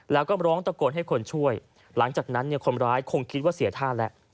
แล้วก็ร้องตะโกนให้คนช่วยหลังจากนั้นคนร้ายคงคิดว่าเสียท่าแล้ว